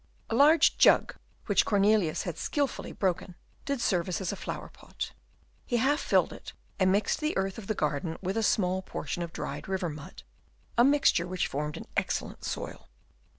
A large jug, which Cornelius had skilfully broken, did service as a flower pot. He half filled it, and mixed the earth of the garden with a small portion of dried river mud, a mixture which formed an excellent soil.